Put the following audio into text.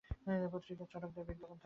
পত্রিকায় চটকদার বিজ্ঞাপন থাকত।